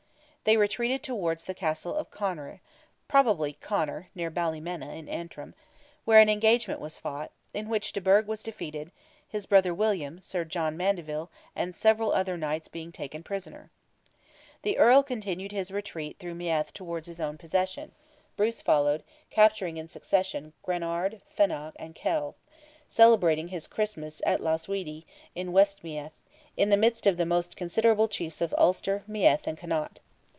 They retreated towards the castle of Conyre (probably Conor, near Ballymena, in Antrim), where an engagement was fought, in which de Burgh was defeated, his brother William, Sir John Mandeville, and several other knights being taken prisoners. The Earl continued his retreat through Meath towards his own possession; Bruce followed, capturing in succession Granard, Fenagh, and Kells, celebrating his Christmas at Loughsweedy, in West Meath, in the midst of the most considerable chiefs of Ulster, Meath, and Connaught.